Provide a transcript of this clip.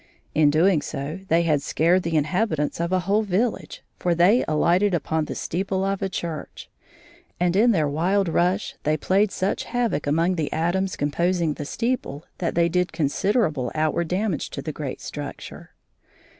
In doing so they had scared the inhabitants of a whole village, for they alighted upon the steeple of a church, and in their wild rush they played such havoc among the atoms composing the steeple that they did considerable outward damage to the great structure.